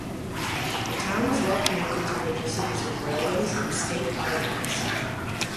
The town is well connected to major cities with railways and state highways.